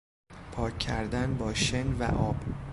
پاک کردن با شن و آب